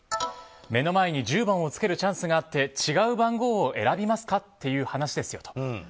目の前に１０番をつけるチャンスがあって違う番号を選びますかっていう話ですよと。